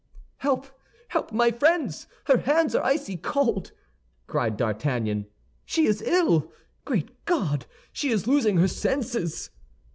"Help, help, my friends! her hands are icy cold," cried D'Artagnan. "She is ill! Great God, she is losing her senses!"